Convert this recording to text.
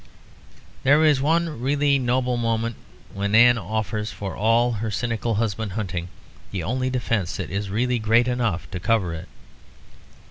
There is one really noble moment when Anne offers for all her cynical husband hunting the only defence that is really great enough to cover it.